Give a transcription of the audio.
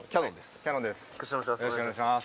よろしくお願いします。